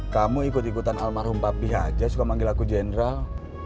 kamu ikut ikutan almarhum papi aja suka manggil aku general